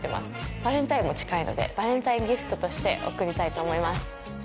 バレンタインも近いのでバレンタインギフトとして贈りたいと思います。